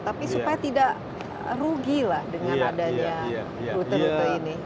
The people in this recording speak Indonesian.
tapi supaya tidak rugi lah dengan adanya rute rute ini